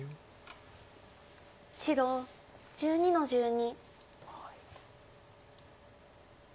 白１２の十二。